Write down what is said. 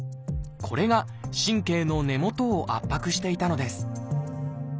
これが神経の根元を圧迫していたのです。